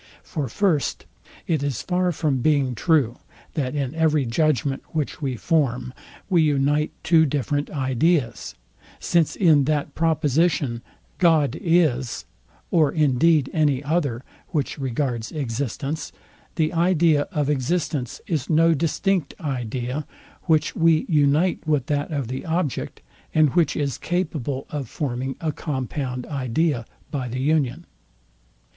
For FIRST, it is far from being true, that in every judgment, which we form, we unite two different ideas; since in that proposition, GOD IS, or indeed any other, which regards existence, the idea of existence is no distinct idea, which we unite with that of the object, and which is capable of forming a compound idea by the union.